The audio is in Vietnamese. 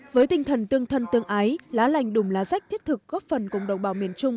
với tinh thần tương thân tương ái lá lành đùm lá rách thiết thực góp phần cùng đồng bào miền trung